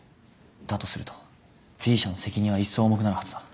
だとするとＢ社の責任はいっそう重くなるはずだ。